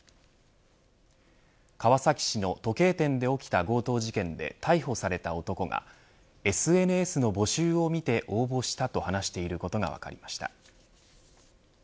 川崎市の時計店で起きた強盗事件で逮捕された男がＳＮＳの募集を見て応募したと話していることが分かりました。